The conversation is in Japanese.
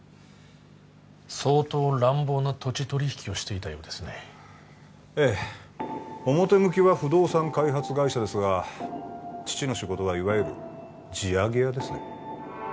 相当乱暴な土地取引をしていたようですねええ表向きは不動産開発会社ですが父の仕事はいわゆる地上げ屋ですね